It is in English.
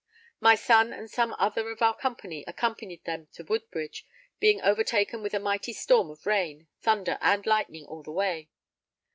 My son and some other of our company accompanied them to Woodbridge, being overtaken with a mighty storm of rain, thunder and lightning all the way.